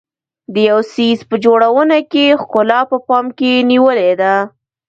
د یو څیز په جوړونه کې ښکلا په پام کې نیولې ده.